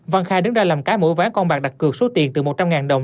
văn khai đứng ra làm cái mỗi ván con bạc đặt cược số tiền từ một trăm linh đồng